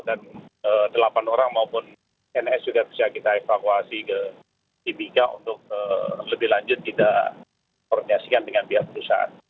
jadi sekitar delapan orang maupun ns juga bisa kita evakuasi ke timiga untuk lebih lanjut kita koordinasikan dengan pihak perusahaan